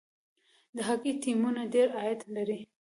د هاکي ټیمونه ډیر عاید لري.